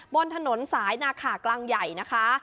บนถนนสายนาขากลางใหญ่นะคะ